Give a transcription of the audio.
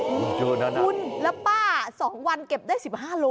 คุณแล้วป้า๒วันเก็บได้๑๕โล